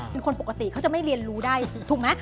เป็นคนปกติเขาจะไม่เรียนรู้ได้ถูกไหม